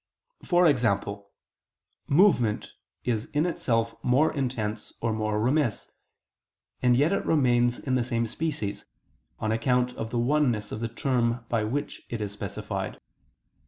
For example, movement is in itself more intense or more remiss: and yet it remains in the same species, on account of the oneness of the term by which it is specified.